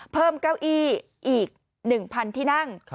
เก้าอี้อีก๑๐๐ที่นั่ง